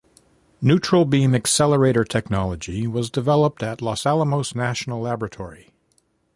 Neutral beam accelerator technology was developed at Los Alamos National Laboratory.